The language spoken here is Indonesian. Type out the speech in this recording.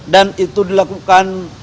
dan itu dilakukan